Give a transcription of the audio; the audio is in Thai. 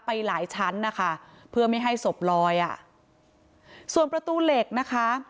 ไปหลายชั้นนะคะเพื่อไม่ให้ศพลอยอ่ะส่วนประตูเหล็กนะคะ